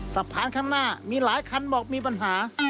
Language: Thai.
ข้างหน้ามีหลายคันบอกมีปัญหา